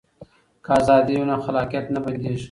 که ازادي وي نو خلاقیت نه بنديږي.